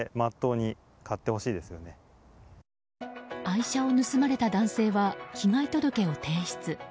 愛車を盗まれた男性は被害届を提出。